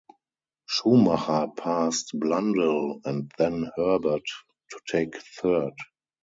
Schumacher passed Blundell and then Herbert to take third.